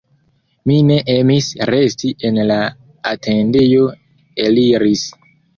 Mi ne emis resti en la atendejo, eliris.